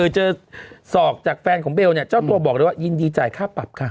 จะสอกจากแฟนของเบลเนี่ยเจ้าตัวบอกเลยว่ายินดีจ่ายค่าปรับค่ะ